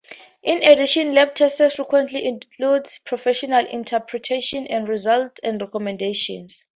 In addition, lab tests frequently include professional interpretation of results and recommendations.